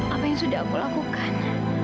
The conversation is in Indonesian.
ya allah apa yang sudah aku lakukan